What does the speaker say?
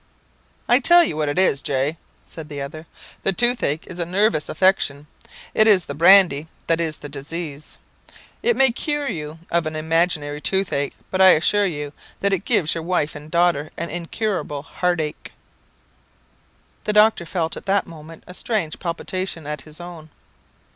"I tell you what it is, J ," said the other; "the toothache is a nervous affection. It is the brandy that is the disease. It may cure you of an imaginary toothache; but I assure you, that it gives your wife and daughter an incurable heartache." The doctor felt at that moment a strange palpitation at his own.